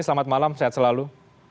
selamat malam sehat selalu